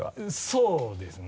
そうですね。